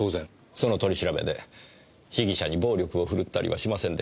その取り調べで被疑者に暴力を振るったりはしませんでしたか？